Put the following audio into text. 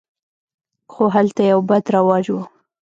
خو هلته یو بد رواج و.